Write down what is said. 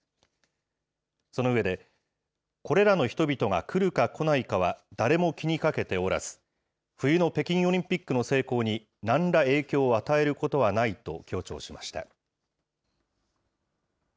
その上で、これらの人々が来るか来ないかは誰も気にかけておらず、冬の北京オリンピックの成功に、なんら影響を与えることはないと強調しました。